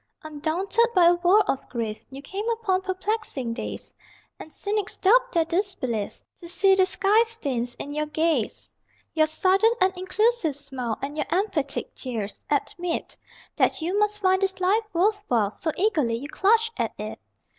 Undaunted by a world of grief You came upon perplexing days, And cynics doubt their disbelief To see the sky stains in your gaze. Your sudden and inclusive smile And your emphatic tears, admit That you must find this life worth while, So eagerly you clutch at it!